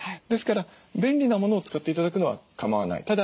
ですから便利なものを使って頂くのは構わない。